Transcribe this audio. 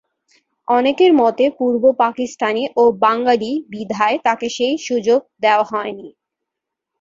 অনেকের মতে পূর্ব পাকিস্তানি ও বাঙালি বিধায় তাকে সেই সুযোগ দেওয়া হয়নি।